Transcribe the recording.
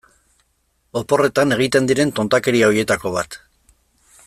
Oporretan egiten diren tontakeria horietako bat.